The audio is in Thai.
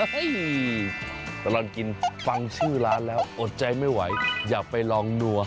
เฮ้ยตอนกินฟังชื่อร้านแล้วอดใจไม่ไหวอยากไปร่องนัว